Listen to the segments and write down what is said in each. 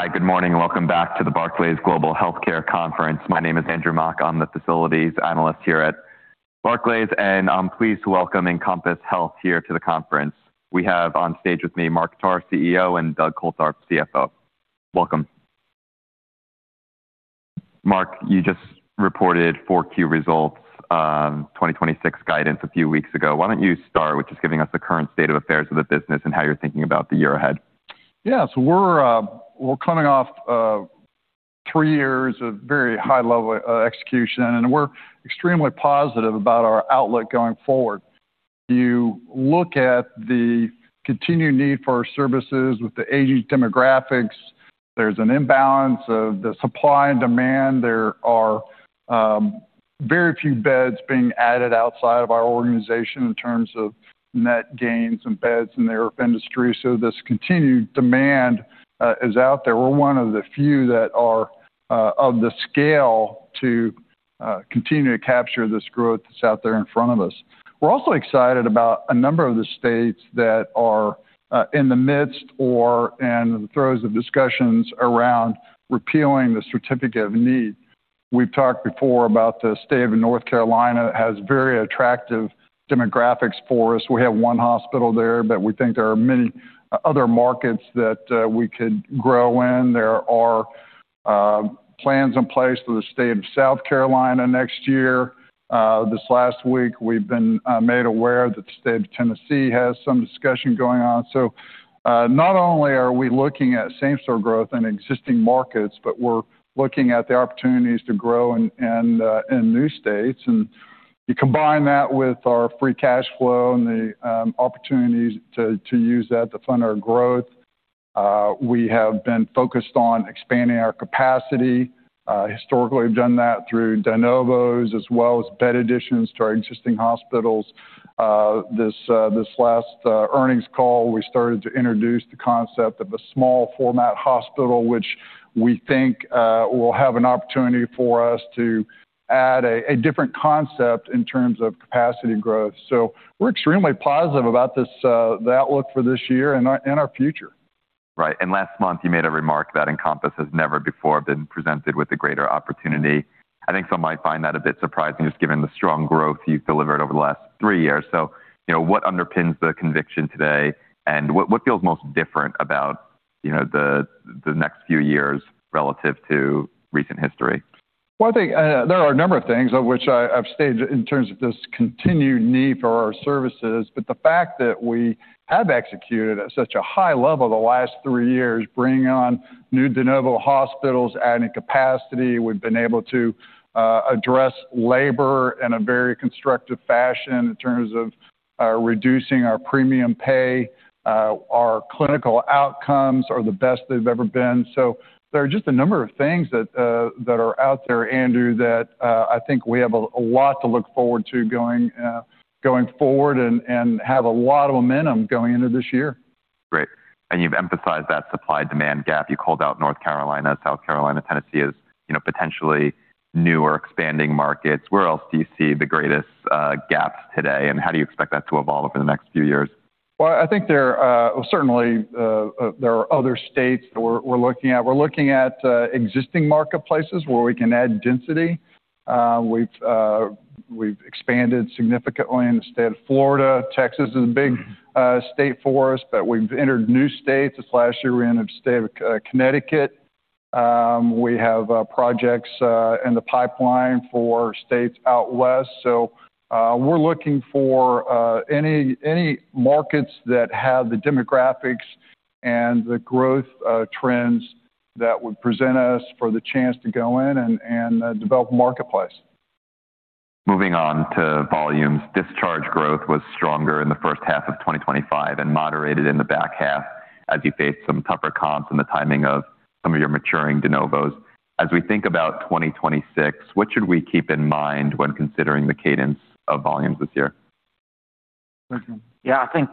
Hi, good morning and welcome back to the Barclays Global Healthcare Conference. My name is Andrew Mok. I'm the Facilities Analyst here at Barclays, and I'm pleased to welcome Encompass Health here to the conference. We have on stage with me Mark Tarr, CEO, and Doug Coltharp, CFO. Welcome. Mark, you just reported Q4 key results, 2026 guidance a few weeks ago. Why don't you start with just giving us the current state of affairs of the business and how you're thinking about the year ahead? Yeah. We're coming off of three years of very high level execution, and we're extremely positive about our outlook going forward. You look at the continued need for our services with the aging demographics. There's an imbalance of the supply and demand. There are very few beds being added outside of our organization in terms of net gains and beds in the IRF industry. This continued demand is out there. We're one of the few that are of the scale to continue to capture this growth that's out there in front of us. We're also excited about a number of the states that are in the midst or in the throes of discussions around repealing the Certificate of Need. We've talked before about the state of North Carolina has very attractive demographics for us. We have one hospital there, but we think there are many other markets that we could grow in. There are plans in place for the state of South Carolina next year. This last week we've been made aware that the state of Tennessee has some discussion going on. Not only are we looking at same-store growth in existing markets, but we're looking at the opportunities to grow in new states. You combine that with our free cash flow and the opportunities to use that to fund our growth. We have been focused on expanding our capacity. Historically, we've done that through de novos as well as bed additions to our existing hospitals. This last earnings call, we started to introduce the concept of a small-format hospital, which we think will have an opportunity for us to add a different concept in terms of capacity growth. We're extremely positive about the outlook for this year and our future. Right. Last month you made a remark that Encompass has never before been presented with a greater opportunity. I think some might find that a bit surprising, just given the strong growth you've delivered over the last three years. You know, what underpins the conviction today and what feels most different about, you know, the next few years relative to recent history? Well, I think there are a number of things of which I've stated in terms of this continued need for our services, but the fact that we have executed at such a high level the last three years, bringing on new de novo hospitals, adding capacity. We've been able to address labor in a very constructive fashion in terms of reducing our premium pay. Our clinical outcomes are the best they've ever been. There are just a number of things that are out there, Andrew, that I think we have a lot to look forward to going forward and have a lot of momentum going into this year. Great. You've emphasized that supply-demand gap. You called out North Carolina, South Carolina, Tennessee as, you know, potentially newer expanding markets. Where else do you see the greatest gaps today, and how do you expect that to evolve over the next few years? Well, I think there certainly are other states that we're looking at. We're looking at existing marketplaces where we can add density. We've expanded significantly in the state of Florida. Texas is a big state for us, but we've entered new states. This last year, we entered the state of Connecticut. We have projects in the pipeline for states out west. We're looking for any markets that have the demographics and the growth trends that would present us for the chance to go in and develop a marketplace. Moving on to volumes. Discharge growth was stronger in the first half of 2025 and moderated in the back half as you faced some tougher comps and the timing of some of your maturing de novos. As we think about 2026, what should we keep in mind when considering the cadence of volumes this year? Yeah. I think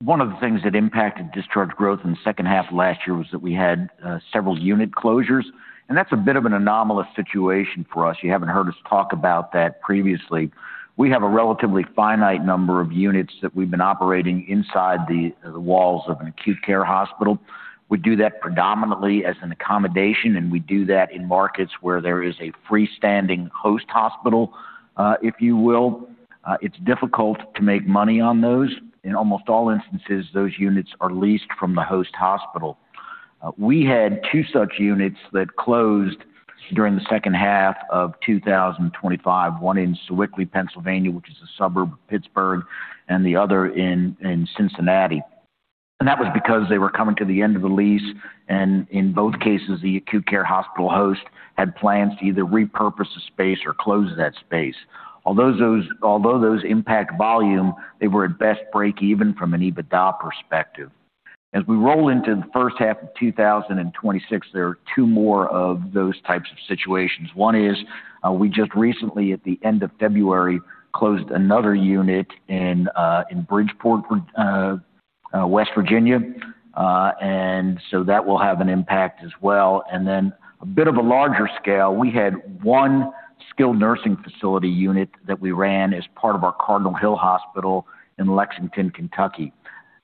one of the things that impacted discharge growth in the second half of last year was that we had several unit closures, and that's a bit of an anomalous situation for us. You haven't heard us talk about that previously. We have a relatively finite number of units that we've been operating inside the walls of an acute care hospital. We do that predominantly as an accommodation, and we do that in markets where there is a freestanding host hospital, if you will. It's difficult to make money on those. In almost all instances, those units are leased from the host hospital. We had two such units that closed during the second half of 2025, one in Sewickley, Pennsylvania, which is a suburb of Pittsburgh, and the other in Cincinnati. That was because they were coming to the end of the lease, and in both cases, the acute care hospital host had plans to either repurpose the space or close that space. Although those impact volume, they were at best break even from an EBITDA perspective. As we roll into the first half of 2026, there are two more of those types of situations. One is, we just recently, at the end of February, closed another unit in Bridgeport, West Virginia. That will have an impact as well. Then a bit of a larger scale, we had one skilled nursing facility unit that we ran as part of our Cardinal Hill Hospital in Lexington, Kentucky.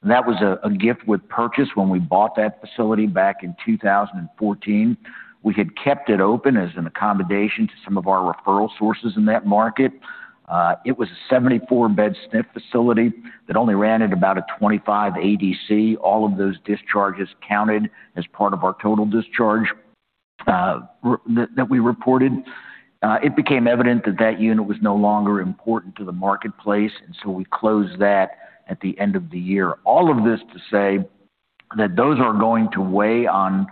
That was a gift with purchase when we bought that facility back in 2014. We had kept it open as an accommodation to some of our referral sources in that market. It was a 74-bed SNF facility that only ran at about a 25 ADC. All of those discharges counted as part of our total discharge that we reported. It became evident that that unit was no longer important to the marketplace, and so we closed that at the end of the year. All of this to say that those are going to weigh on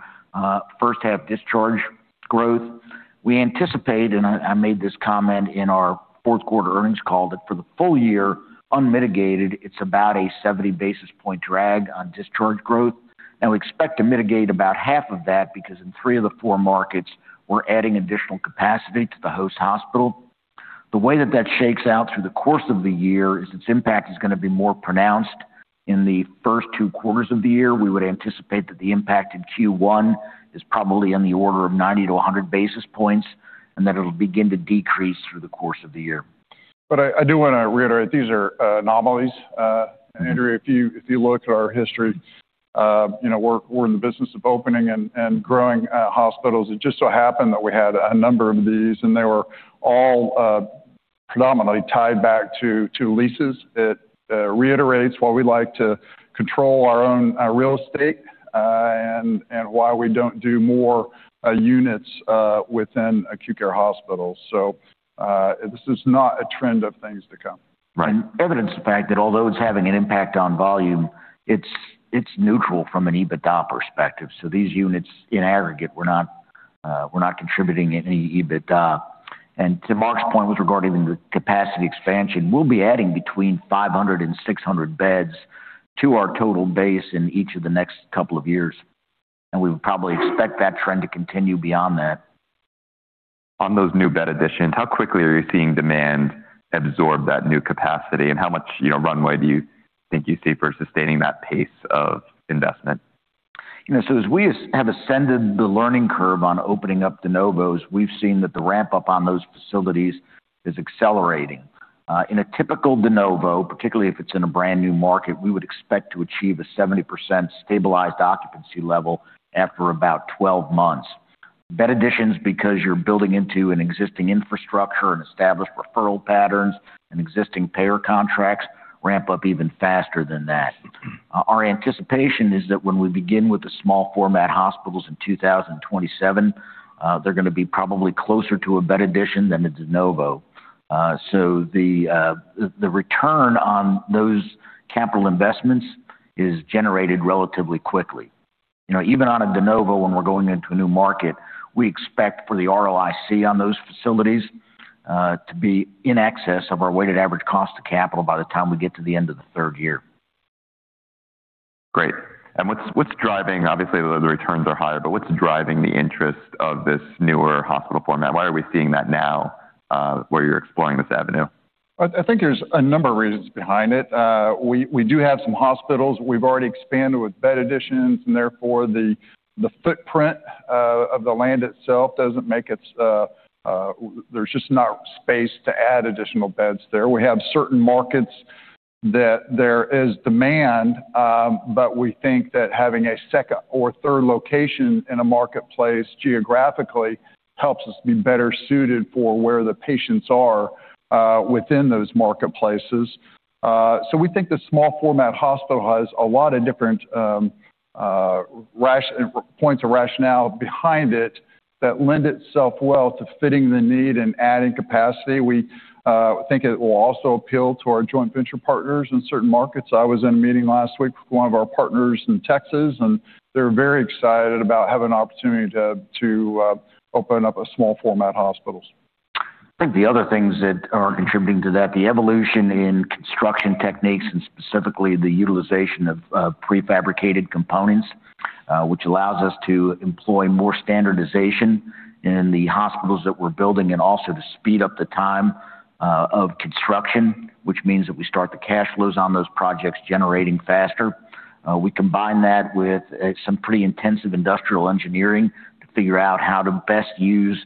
first half discharge growth. We anticipate, and I made this comment in our fourth quarter earnings call, that for the full year, unmitigated, it's about a 70 basis point drag on discharge growth. Now we expect to mitigate about half of that because in three of the four markets, we're adding additional capacity to the host hospital. The way that that shakes out through the course of the year is its impact is going to be more pronounced in the first two quarters of the year. We would anticipate that the impact in Q1 is probably on the order of 90-100 basis points, and that it'll begin to decrease through the course of the year. I do wanna reiterate, these are anomalies. Andrew, if you look at our history, you know, we're in the business of opening and growing hospitals. It just so happened that we had a number of these, and they were all predominantly tied back to leases. It reiterates why we like to control our own real estate, and why we don't do more units within acute care hospitals. This is not a trend of things to come. Right. Evidence the fact that although it's having an impact on volume, it's neutral from an EBITDA perspective. These units in aggregate were not contributing any EBITDA. To Mark's point with regard to the capacity expansion, we'll be adding between 500 and 600 beds to our total base in each of the next couple of years. We would probably expect that trend to continue beyond that. On those new bed additions, how quickly are you seeing demand absorb that new capacity? How much, you know, runway do you think you see for sustaining that pace of investment? You know, as we have ascended the learning curve on opening up de novos, we've seen that the ramp-up on those facilities is accelerating. In a typical de novo, particularly if it's in a brand-new market, we would expect to achieve a 70% stabilized occupancy level after about 12 months. Bed additions, because you're building into an existing infrastructure and established referral patterns and existing payer contracts, ramp up even faster than that. Our anticipation is that when we begin with the small-format hospitals in 2027, they're gonna be probably closer to a bed addition than a de novo. The return on those capital investments is generated relatively quickly. You know, even on a de novo, when we're going into a new market, we expect for the ROIC on those facilities to be in excess of our weighted average cost of capital by the time we get to the end of the third year. Great. What's driving, obviously, the returns are higher, but what's driving the interest of this newer hospital format? Why are we seeing that now, where you're exploring this avenue? I think there's a number of reasons behind it. We do have some hospitals. We've already expanded with bed additions, and therefore the footprint of the land itself. There's just not space to add additional beds there. We have certain markets that there is demand, but we think that having a second or third location in a marketplace geographically helps us be better suited for where the patients are within those marketplaces. We think the small-format hospital has a lot of different points of rationale behind it that lend itself well to fitting the need and adding capacity. We think it will also appeal to our joint venture partners in certain markets. I was in a meeting last week with one of our partners in Texas, and they're very excited about having an opportunity to open up a small-format hospitals. I think the other things that are contributing to that, the evolution in construction techniques, and specifically the utilization of prefabricated components, which allows us to employ more standardization in the hospitals that we're building, and also to speed up the time of construction, which means that we start the cash flows on those projects generating faster. We combine that with some pretty intensive industrial engineering to figure out how to best use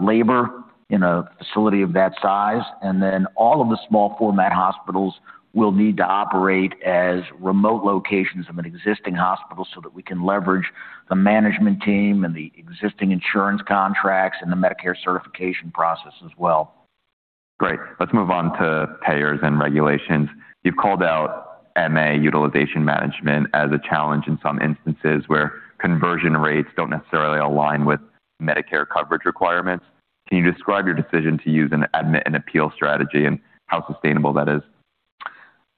labor in a facility of that size. Then all of the small-format hospitals will need to operate as remote locations of an existing hospital so that we can leverage the management team and the existing insurance contracts and the Medicare certification process as well. Great. Let's move on to payers and regulations. You've called out MA utilization management as a challenge in some instances where conversion rates don't necessarily align with Medicare coverage requirements. Can you describe your decision to use an admit and appeal strategy and how sustainable that is?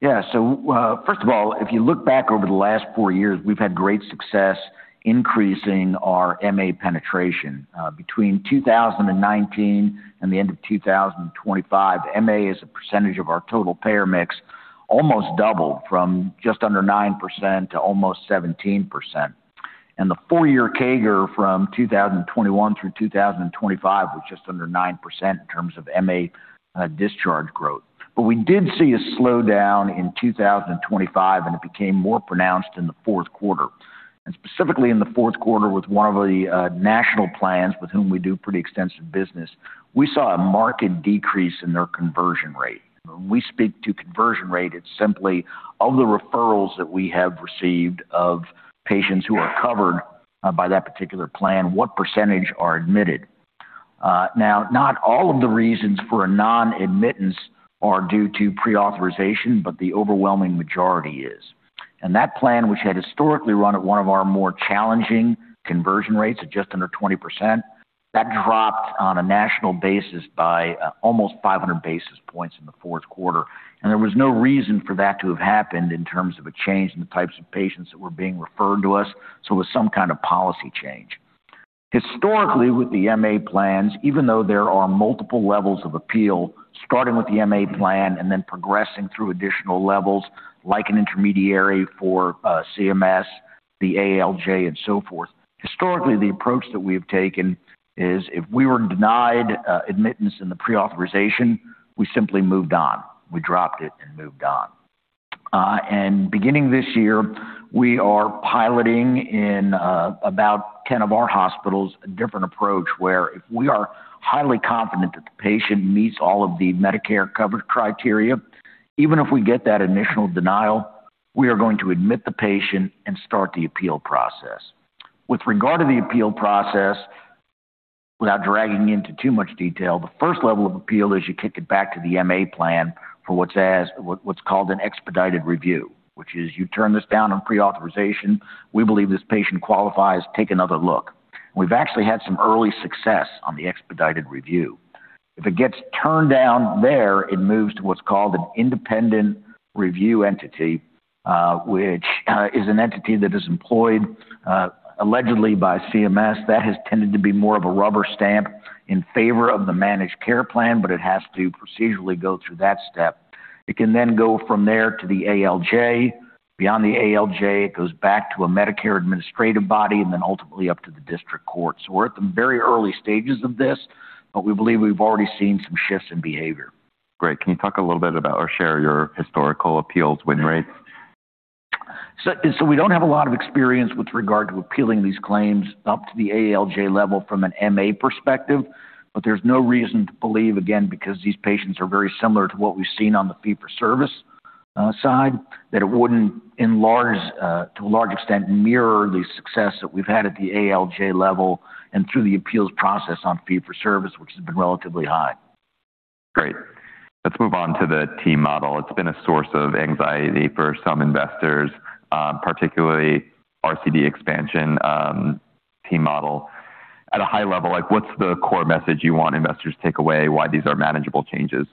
Yeah. First of all, if you look back over the last four years, we've had great success increasing our MA penetration. Between 2019 and the end of 2025, MA, as a percentage of our total payer mix, almost doubled from just under 9% to almost 17%. The four-year CAGR from 2021 through 2025 was just under 9% in terms of MA discharge growth. We did see a slowdown in 2025, and it became more pronounced in the fourth quarter. Specifically in the fourth quarter with one of the national plans with whom we do pretty extensive business, we saw a marked decrease in their conversion rate. When we speak to conversion rate, it's simply all the referrals that we have received of patients who are covered by that particular plan, what percentage are admitted. Now, not all of the reasons for a non-admittance are due to pre-authorization, but the overwhelming majority is. That plan, which had historically run at one of our more challenging conversion rates at just under 20%, that dropped on a national basis by almost 500 basis points in the fourth quarter. There was no reason for that to have happened in terms of a change in the types of patients that were being referred to us, so it was some kind of policy change. Historically, with the MA plans, even though there are multiple levels of appeal, starting with the MA plan and then progressing through additional levels, like an intermediary for CMS, the ALJ, and so forth. Historically, the approach that we have taken is if we were denied admittance in the pre-authorization, we simply moved on. We dropped it and moved on. Beginning this year, we are piloting in about 10 of our hospitals a different approach where if we are highly confident that the patient meets all of the Medicare coverage criteria, even if we get that initial denial, we are going to admit the patient and start the appeal process. With regard to the appeal process, without dragging into too much detail, the first level of appeal is you kick it back to the MA plan for what's called an expedited review, which is you turn this down in pre-authorization. We believe this patient qualifies, take another look. We've actually had some early success on the expedited review. If it gets turned down there, it moves to what's called an Independent Review Entity, which is an entity that is employed allegedly by CMS. That has tended to be more of a rubber stamp in favor of the managed care plan, but it has to procedurally go through that step. It can then go from there to the ALJ. Beyond the ALJ, it goes back to a Medicare administrative body and then ultimately up to the district courts. We're at the very early stages of this, but we believe we've already seen some shifts in behavior. Great. Can you talk a little bit about or share your historical appeals win rates? We don't have a lot of experience with regard to appealing these claims up to the ALJ level from an MA perspective. But there's no reason to believe, again, because these patients are very similar to what we've seen on the fee-for-service side, that it wouldn't, to a large extent, mirror the success that we've had at the ALJ level and through the appeals process on fee-for-service, which has been relatively high. Great. Let's move on to the TEAM model. It's been a source of anxiety for some investors, particularly RCD expansion, TEAM model. At a high level, like what's the core message you want investors to take away why these are manageable changes?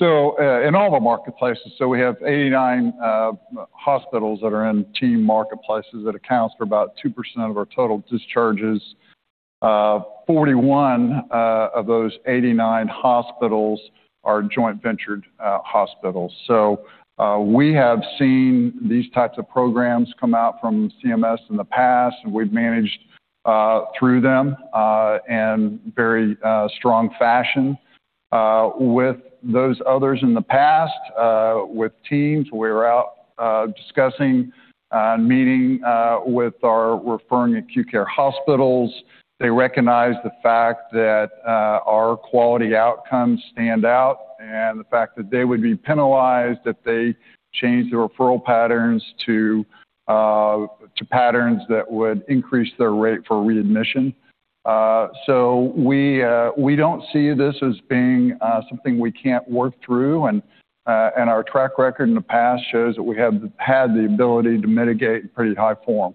In all the marketplaces, we have 89 hospitals that are in TEAM marketplaces that accounts for about 2% of our total discharges. 41 of those 89 hospitals are joint ventured hospitals. We have seen these types of programs come out from CMS in the past, and we've managed through them in very strong fashion. With those others in the past, with TEAM, we're out discussing and meeting with our referring acute care hospitals. They recognize the fact that our quality outcomes stand out and the fact that they would be penalized if they changed their referral patterns to patterns that would increase their rate for readmission. We don't see this as being something we can't work through. Our track record in the past shows that we have had the ability to mitigate in pretty high form.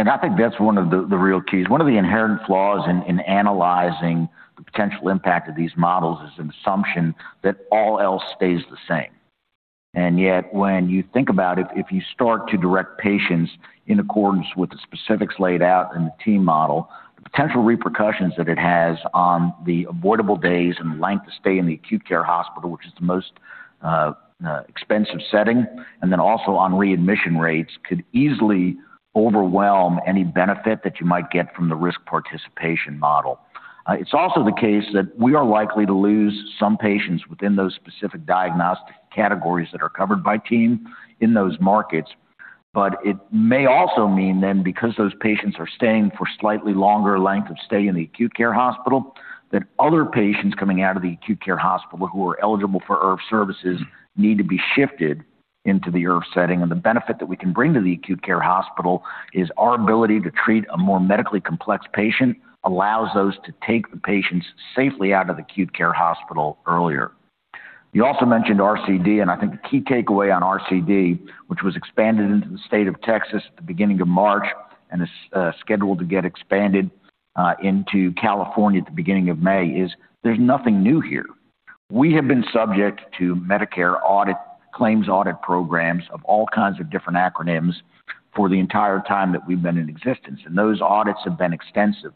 I think that's one of the real keys. One of the inherent flaws in analyzing the potential impact of these models is an assumption that all else stays the same. When you think about it, if you start to direct patients in accordance with the specifics laid out in the TEAM model, the potential repercussions that it has on the avoidable days and length of stay in the acute care hospital, which is the most expensive setting, and then also on readmission rates, could easily overwhelm any benefit that you might get from the risk participation model. It's also the case that we are likely to lose some patients within those specific diagnostic categories that are covered by TEAM in those markets. It may also mean then because those patients are staying for slightly longer length of stay in the acute care hospital, that other patients coming out of the acute care hospital who are eligible for IRF services need to be shifted into the IRF setting. The benefit that we can bring to the acute care hospital is our ability to treat a more medically complex patient, allows those to take the patients safely out of the acute care hospital earlier. You also mentioned RCD, and I think the key takeaway on RCD, which was expanded into the state of Texas at the beginning of March and is scheduled to get expanded into California at the beginning of May, is there's nothing new here. We have been subject to Medicare audit, claims audit programs of all kinds of different acronyms for the entire time that we've been in existence, and those audits have been extensive.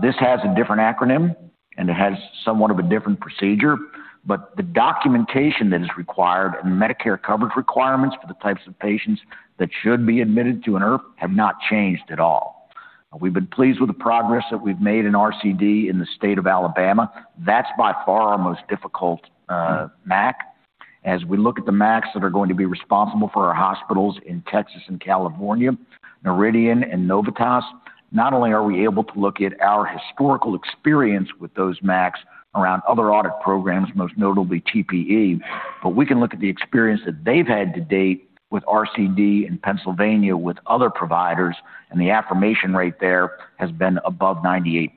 This has a different acronym, and it has somewhat of a different procedure, but the documentation that is required and Medicare coverage requirements for the types of patients that should be admitted to an IRF have not changed at all. We've been pleased with the progress that we've made in RCD in the state of Alabama. That's by far our most difficult MAC. As we look at the MACs that are going to be responsible for our hospitals in Texas and California, Noridian and Novitas, not only are we able to look at our historical experience with those MACs around other audit programs, most notably TPE, but we can look at the experience that they've had to date with RCD in Pennsylvania with other providers, and the affirmation rate there has been above 98%.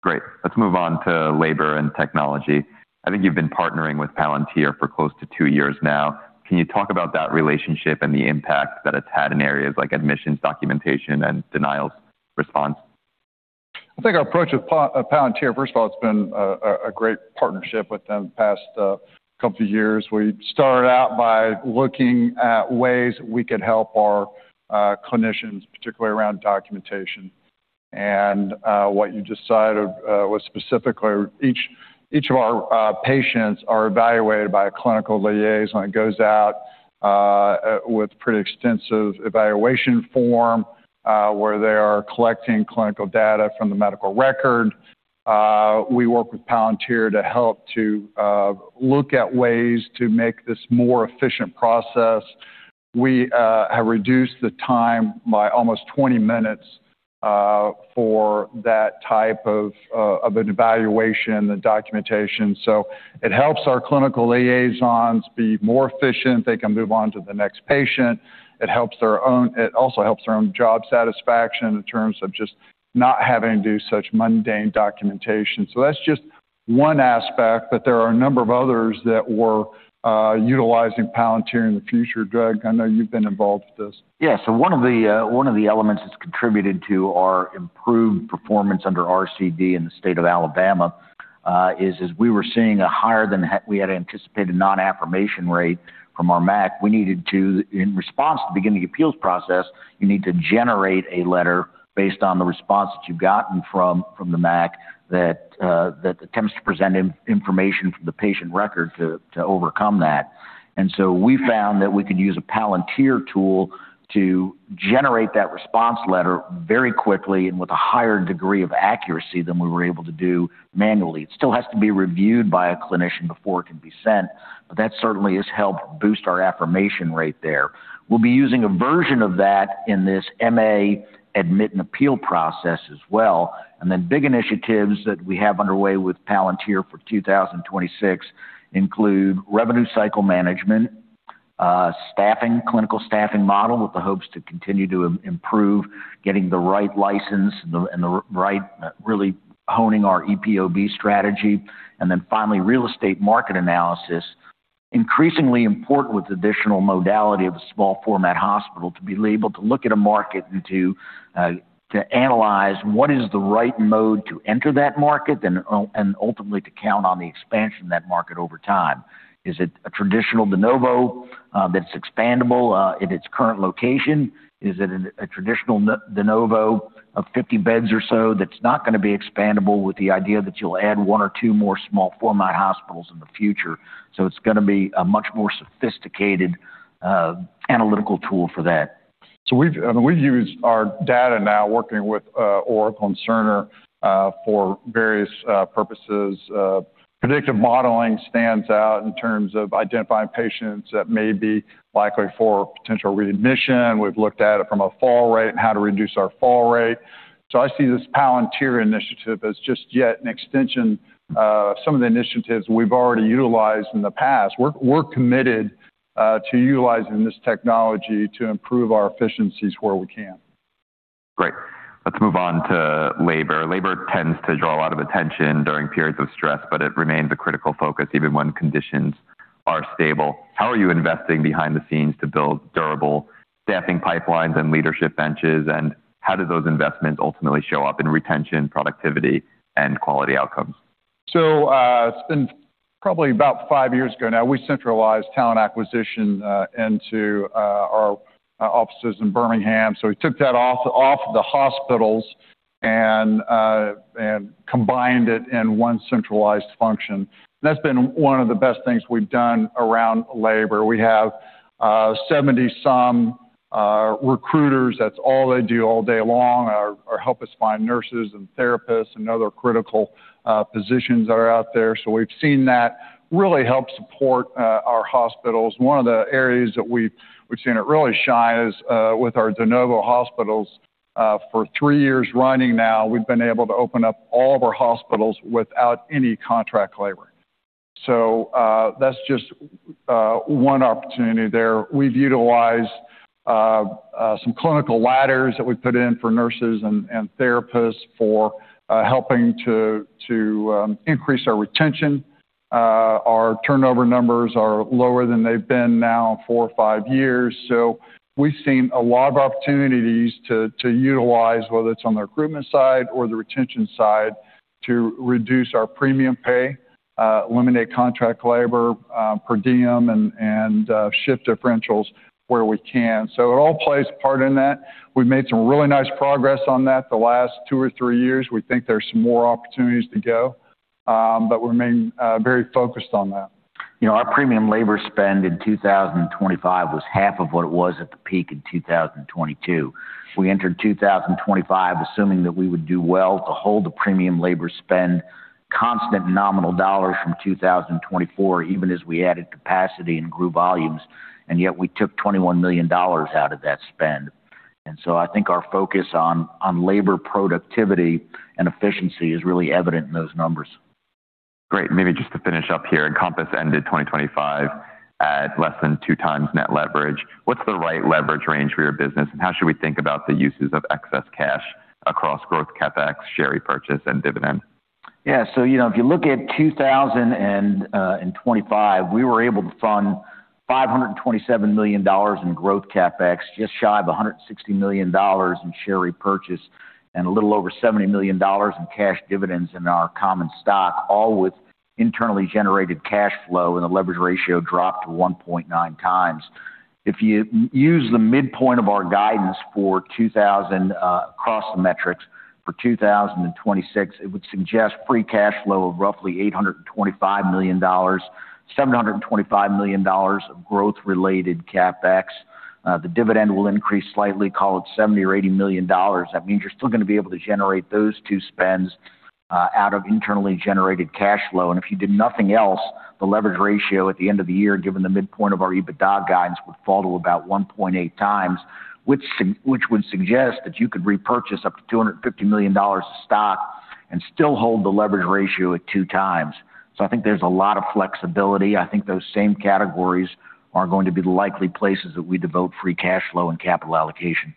Great. Let's move on to labor and technology. I think you've been partnering with Palantir for close to two years now. Can you talk about that relationship and the impact that it's had in areas like admissions, documentation, and denials response? I think our approach with Palantir, first of all, it's been a great partnership with them the past couple years. We started out by looking at ways we could help our clinicians, particularly around documentation. What you just said was specifically each of our patients are evaluated by a clinical liaison. It goes out with pretty extensive evaluation form where they are collecting clinical data from the medical record. We work with Palantir to help to look at ways to make this more efficient process. We have reduced the time by almost 20 minutes for that type of an evaluation and documentation. It helps our clinical liaisons be more efficient. They can move on to the next patient. It also helps their own job satisfaction in terms of just not having to do such mundane documentation. That's just one aspect, but there are a number of others that we're utilizing Palantir in the future. Doug, I know you've been involved with this. Yeah. One of the elements that's contributed to our improved performance under RCD in the state of Alabama is, as we were seeing a higher than we had anticipated non-affirmation rate from our MAC, we needed to, in response, to begin the appeals process. You need to generate a letter based on the response that you've gotten from the MAC that attempts to present information from the patient record to overcome that. We found that we could use a Palantir tool to generate that response letter very quickly and with a higher degree of accuracy than we were able to do manually. It still has to be reviewed by a clinician before it can be sent, but that certainly has helped boost our affirmation rate there. We'll be using a version of that in this MA admit and appeal process as well. Then big initiatives that we have underway with Palantir for 2026 include revenue cycle management, staffing, clinical staffing model with the hopes to continue to improve getting the right license and the right really honing our EpoB strategy. Then finally, real estate market analysis. Increasingly important with additional modality of a small format hospital to be able to look at a market and to analyze what is the right mode to enter that market and ultimately to count on the expansion of that market over time. Is it a traditional de novo that's expandable in its current location? Is it a traditional de novo of 50 beds or so that's not gonna be expandable with the idea that you'll add one or two more small-format hospitals in the future? It's gonna be a much more sophisticated analytical tool for that. We've used our data now working with Oracle Cerner for various purposes. Predictive modeling stands out in terms of identifying patients that may be likely for potential readmission. We've looked at it from a fall rate and how to reduce our fall rate. I see this Palantir initiative as just yet an extension of some of the initiatives we've already utilized in the past. We're committed to utilizing this technology to improve our efficiencies where we can. Great. Let's move on to labor. Labor tends to draw a lot of attention during periods of stress, but it remains a critical focus even when conditions are stable. How are you investing behind the scenes to build durable staffing pipelines and leadership benches? How do those investments ultimately show up in retention, productivity, and quality outcomes? It's been probably about five years ago now, we centralized talent acquisition into our offices in Birmingham. We took that off the hospitals and combined it in one centralized function. That's been one of the best things we've done around labor. We have 70-some recruiters. That's all they do all day long, are help us find nurses and therapists and other critical positions that are out there. We've seen that really help support our hospitals. One of the areas that we've seen it really shine is with our de novo hospitals. For three years running now, we've been able to open up all of our hospitals without any contract labor. That's just one opportunity there. We've utilized some clinical ladders that we put in for nurses and therapists for helping to increase our retention. Our turnover numbers are lower than they've been now four or five years. We've seen a lot of opportunities to utilize, whether it's on the recruitment side or the retention side, to reduce our premium pay, eliminate contract labor, per diem and shift differentials where we can. It all plays a part in that. We've made some really nice progress on that the last two or three years. We think there's some more opportunities to go, but we remain very focused on that. You know, our premium labor spend in 2025 was half of what it was at the peak in 2022. We entered 2025 assuming that we would do well to hold the premium labor spend constant nominal dollars from 2024, even as we added capacity and grew volumes, and yet we took $21 million out of that spend. I think our focus on labor productivity and efficiency is really evident in those numbers. Great. Maybe just to finish up here, Encompass ended 2025 at less than 2x net leverage. What's the right leverage range for your business, and how should we think about the uses of excess cash across growth CapEx, share repurchase, and dividend? Yeah. You know, if you look at 2025, we were able to fund $527 million in growth CapEx, just shy of $160 million in share repurchase, and a little over $70 million in cash dividends in our common stock, all with internally generated cash flow, and the leverage ratio dropped to 1.9x. If you use the midpoint of our guidance for 2025 across the metrics for 2026, it would suggest free cash flow of roughly $825 million, $725 million of growth-related CapEx. The dividend will increase slightly, call it $70 or $80 million. That means you're still gonna be able to generate those two spends out of internally generated cash flow. If you did nothing else, the leverage ratio at the end of the year, given the midpoint of our EBITDA guidance, would fall to about 1.8x, which would suggest that you could repurchase up to $250 million of stock and still hold the leverage ratio at 2 times. I think there's a lot of flexibility. I think those same categories are going to be the likely places that we devote free cash flow and capital allocation.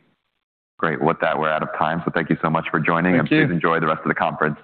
Great. With that, we're out of time, so thank you so much for joining. Thank you. Please enjoy the rest of the conference.